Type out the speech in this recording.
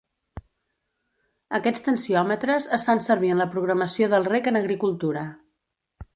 Aquests tensiòmetres es fan servir en la programació del reg en agricultura.